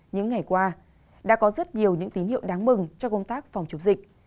những ngày qua đã có rất nhiều những tín hiệu đáng mừng cho công tác phòng chống dịch